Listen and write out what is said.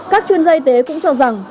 các chuyên gia y tế cũng cho rằng